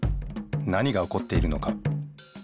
何がおこっているのか。